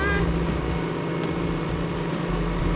iya kok diem aja